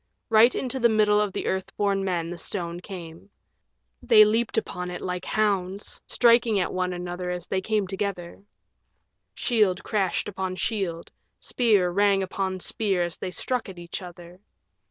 Right into the middle of the Earth born Men the stone came. They leaped upon it like hounds, striking at one another as they came together. Shield crashed on shield, spear rang upon spear as they struck at each other.